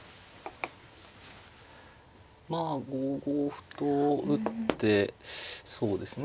まあ５五歩と打ってそうですね